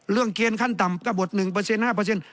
เรื่องเกณฑ์ขั้นต่ำก็บทหนึ่งเปอร์เซ็นต์ห้าเปอร์เซ็นต์